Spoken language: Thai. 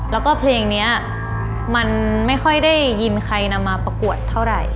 แล้วก็เพลงนี้มันไม่ค่อยได้ยินใครนำมาประกวดเท่าไหร่